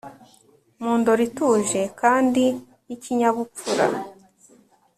mundoro ituje kandi yikinyabupfura